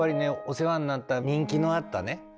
お世話になった人気のあったね